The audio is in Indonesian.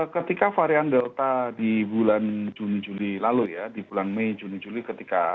ketika varian delta di bulan juni juli lalu ya di bulan mei juni juli ketika